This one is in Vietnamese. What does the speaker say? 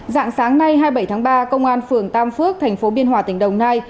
dạng sáng nay hai mươi bảy tháng ba công an phường tam phước tp biên hòa tỉnh đồng nai